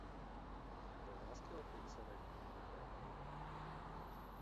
То ласки отих середніх тобі треба?